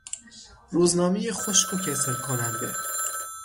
روزنامهی خشک و کسل کننده